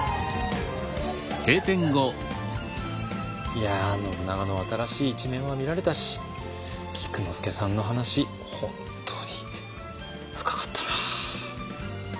いや信長の新しい一面は見られたし菊之助さんの話本当に深かったな。